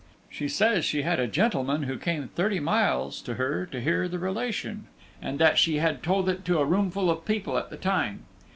She says she had a gentleman who came thirty miles to her to hear the relation; and that she had told it to a roomful of people at the time.